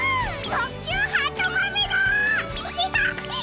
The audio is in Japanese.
とっきゅうはとまめだ！